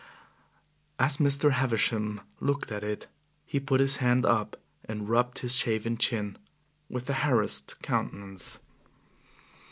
As Mr. Havisham looked at it, he put his hand up and rubbed his shaven chin, with a harassed countenance.